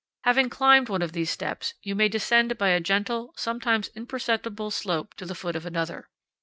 Having climbed one of these steps, you may descend by a gentle, sometimes imperceptible, slope to the foot of another.